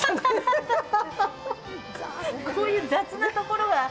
こういう雑なところが。